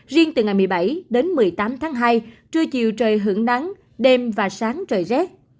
riêng từ ngày một mươi bảy đến một mươi tám tháng hai trưa chiều trời hưởng nắng đêm và sáng trời rét